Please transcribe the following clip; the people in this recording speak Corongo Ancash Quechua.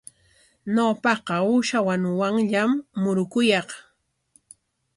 Ñawpaqa uusha wanuwanllam murukuyaq.